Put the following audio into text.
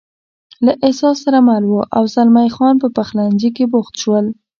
له احساس سره مل و، او زلمی خان په پخلنځي کې بوخت شول.